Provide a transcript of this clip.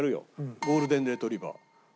ゴールデン・レトリーバー。